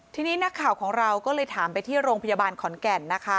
ทีนี้นักข่าวของเราก็เลยถามไปที่โรงพยาบาลขอนแก่นนะคะ